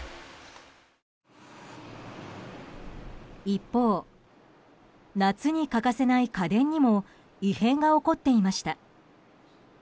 一方、夏に欠かせない家電にも異変が起こっていました。